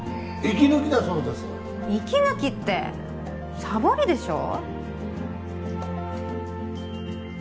息抜きってサボりでしょ？